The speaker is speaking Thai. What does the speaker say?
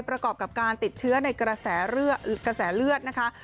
ประกอบกับการติดเชื้อในกระแสเลือดนะคะ